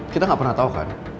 kita nggak pernah tahu kan